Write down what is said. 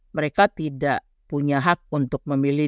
mereka tidak punya hak untuk memilih